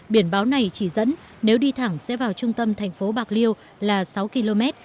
biển báo này chỉ dẫn nếu đi thẳng sẽ vào trung tâm thành phố bạc liêu là sáu km